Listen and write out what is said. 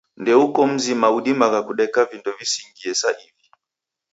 Ndeuko mzima udimagha kudeka vindo visingie sa ivi.